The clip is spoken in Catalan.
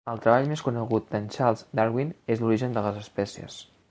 El treball més conegut d'en Charles Darwin és L'origen de les espècies.